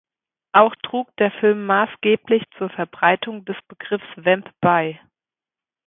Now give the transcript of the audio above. Auch trug der Film maßgeblich zur Verbreitung des Begriffs „Vamp“ bei.